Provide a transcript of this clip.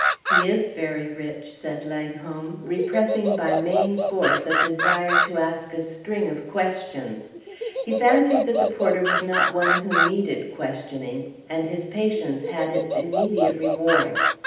"He is very rich," said Langholm, repressing by main force a desire to ask a string of questions. He fancied that the porter was not one who needed questioning, and his patience had its immediate reward.